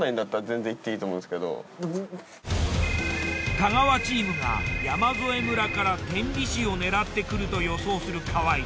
太川チームが山添村から天理市を狙ってくると予想する河合。